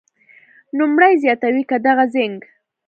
نوموړې زیاتوي که دغه زېنک